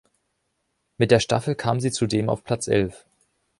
Mit der Staffel kam sie zudem auf Platz elf.